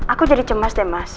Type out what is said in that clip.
aku jadi cemas deh mas